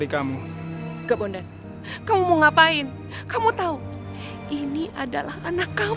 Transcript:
kamu gak apa apakan nak